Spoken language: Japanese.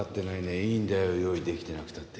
いいんだよ用意できてなくたって。